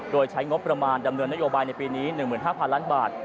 โดยใช้งบประมาณดำเนินนโยบายในปีนี้๑๕๐๐ล้านบาท